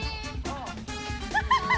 ハハハッ！